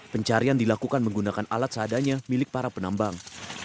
pencarian dilakukan menggunakan alat seadanya milik para penambang